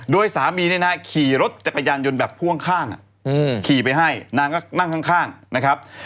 โดยสามีเนี่ยนะขี่รถจักรยานยนต์แบบพ่วงข้างขี่ไปให้นางก็นั่งข้างนะครับ